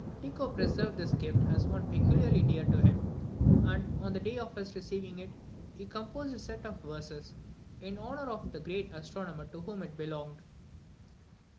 Tycho preserved this gift as one peculiarly dear to him, and, on the day of his receiving it, he composed a set of verses in honour of the great astronomer to whom it belonged.